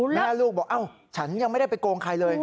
แม่ลูกบอกเอ้าฉันยังไม่ได้ไปโกงใครเลย